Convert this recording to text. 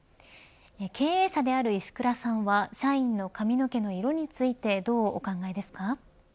経営者である石倉さんは社員の髪の毛の色についてどうお考えですか。